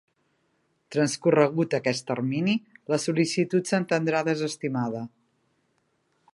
Transcorregut aquest termini, la sol·licitud s'entendrà desestimada.